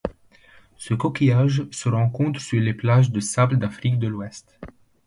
Ce coquillage se rencontre sur les plages de sables d'Afrique de l'Ouest.